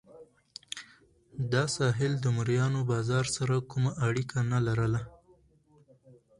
دا ساحل د مریانو بازار سره کومه اړیکه نه لرله.